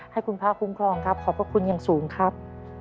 ให้คุณพระคุ้มครองครับขอบพระคุณอย่างสูงครับ